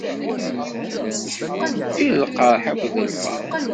I lqerḥ akked lferḥ.